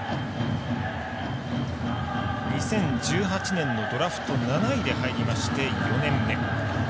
２０１８年のドラフト７位で入りまして４年目。